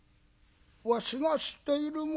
「わしが知っている者？